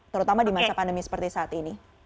terutama di masa pandemi seperti saat ini